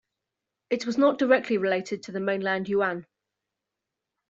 It was not directly related to the mainland yuan.